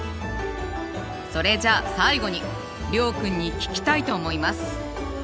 それじゃ最後に諒君に聞きたいと思います。